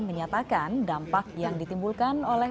menyatakan dampak yang ditimbulkan oleh